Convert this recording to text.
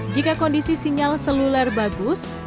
jika kondisi sinyal seluler bagus